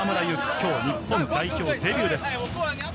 今日、日本代表デビューです。